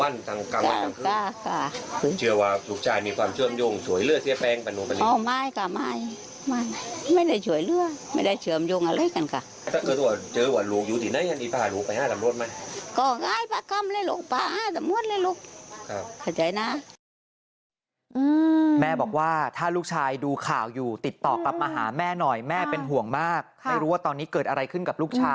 ลูกชายมีความเชื่อมโยงสวยเลือดเสียแป้งประโนประนึก